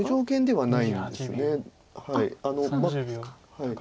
はい。